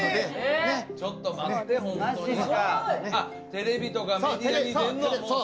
テレビとかメディアに出んのもう。